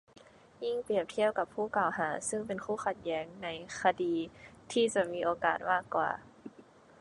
ยิ่งเปรียบเทียบกับผู้กล่าวหา ซึ่งเป็นคู่ขัดแย้งในคดี ที่จะมีโอกาสมากกว่า